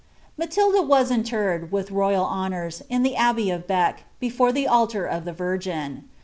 Matihln Was interred, wilK roynl honour*, in the abbey of Bee bdbrt tlie altar of tlie Virgin.